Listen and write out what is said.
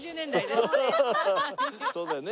そうだよね。